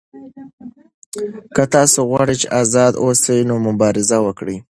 که تاسو غواړئ چې آزاد اوسئ نو مبارزه وکړئ.